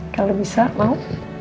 kalau bisa mau